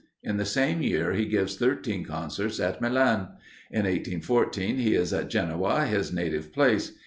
In the same year he gives thirteen concerts at Milan. In 1814 he is at Genoa, his native place.